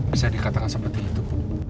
bisa dikatakan seperti itu